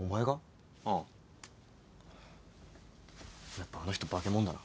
やっぱあの人化けもんだな。